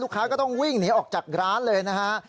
ค้าก็ต้องวิ่งหนีออกจากร้านเลยนะฮะ